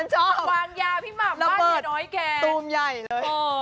หวานยาพี่หม่ำมากเยอะน้อยแก